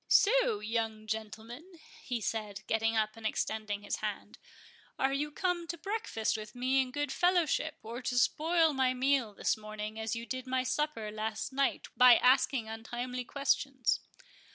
"So, young gentleman," he said, getting up and extending his hand, "are you come to breakfast with me in good fellowship, or to spoil my meal this morning, as you did my supper last night, by asking untimely questions?"